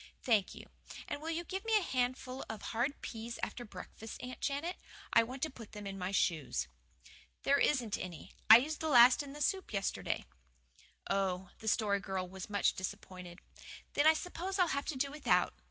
"Thank you. And will you give me a handful of hard peas after breakfast, Aunt Janet? I want to put them in my shoes." "There isn't any; I used the last in the soup yesterday." "Oh!" The Story Girl was much disappointed. "Then I suppose I'll have to do without.